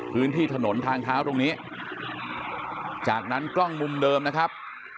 พื้นที่ถนนทางเท้าตรงนี้จากนั้นกล้องมุมเดิมนะครับ